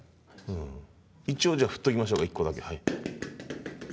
一応じゃあ振っておきましょう１個だけ。